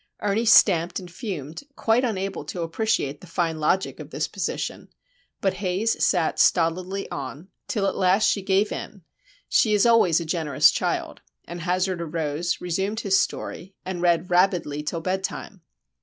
Ernie stamped and fumed, quite unable to appreciate the fine logic of this position; but Haze sat stolidly on, till at last she gave in,—she is always a generous child,—and Hazard arose, resumed his story, and read rabidly till bedtime.